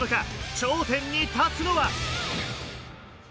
頂点に立つのは？